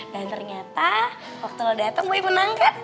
dan ternyata waktu lo datang boy menang kan